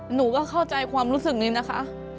หนูก็เข้าใจความรู้สึกนี้นะคะ